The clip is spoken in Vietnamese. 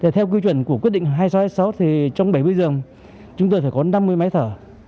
theo quy chuẩn của quyết định hai nghìn sáu trăm hai mươi sáu trong bảy mươi giờ chúng tôi phải có năm mươi máy thở